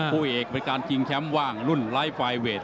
ผู้เอกเป็นการชิงแชมป์ว่างรุ่นไลฟ์ไฟเวท